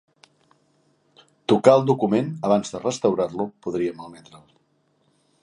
Tocar el document abans de restaurar-lo podia malmetre'l.